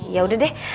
ya udah deh